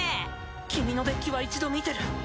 君のデッキは一度見てる。